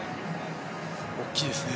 大きいですね。